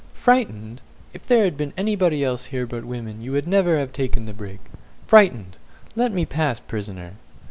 "Frightened! If there had been anybody else here but women, you never would have taken the brig. Frightened! Let me pass, prisoner!"